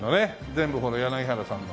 全部これ柳原さんの。